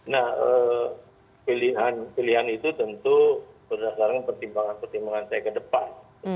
nah pilihan pilihan itu tentu berdasarkan pertimbangan pertimbangan saya ke depan